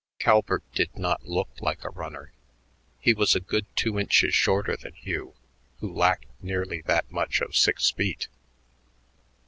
Calvert did not look like a runner. He was a good two inches shorter than Hugh, who lacked nearly that much of six feet.